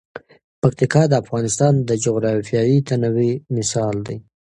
پکتیکا د افغانستان د جغرافیوي تنوع مثال دی.